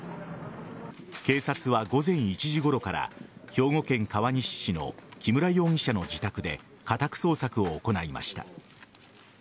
警察は午前１時ごろから兵庫県川西市の木村容疑者の自宅で家宅捜索を行いました。